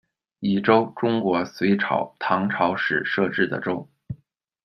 尹州，中国隋朝、唐朝时设置的州。